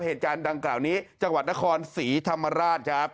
เหตุการณ์ดังกล่าวนี้จังหวัดนครศรีธรรมราชครับ